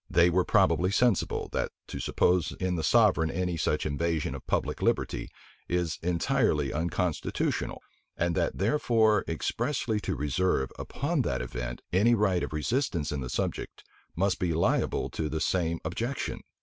They were probably sensible, that to suppose in the sovereign any such invasion of public liberty, is entirely unconstitutional; and that therefore expressly to reserve, upon that event, any right of resistance in the subject, must be liable to the same objection.